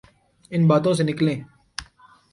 ان باتوں سے نکلیں۔